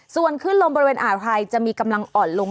ส่วนขึ้นลมบริเวณอ่าวไทยจะมีกำลังอ่อนลง